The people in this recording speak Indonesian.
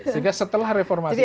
sehingga setelah reformasi